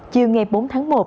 chiều ngày bốn tháng một